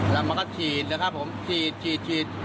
แล้วมันก็ฉีดเลยครับผมฉีด